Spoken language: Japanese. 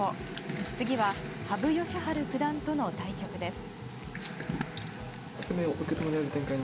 次は羽生善治九段との対局です。